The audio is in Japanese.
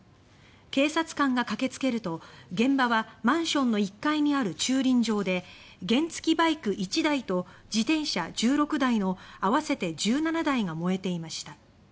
警察官が駆けつけると現場はマンションの１階にある駐輪場で原付きバイク１台と自転車１６台の合わせて１７台が燃えていました。